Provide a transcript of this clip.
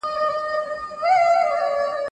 د نقيب څه ووايم؟ سرې تبې نيولی پروت دی